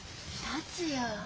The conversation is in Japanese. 達也。